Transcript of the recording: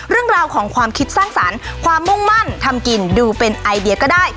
เรื่องราวของความคิดสร้างสรรค์ความมุ่งมั่นทำกินดูเป็นไอเดียก็ได้